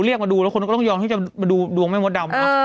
เรียกมาดูแล้วคนก็ต้องยอมที่จะมาดูดวงแม่มดดำ